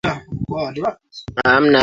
elfu sabini na mbili mia tisa thelathini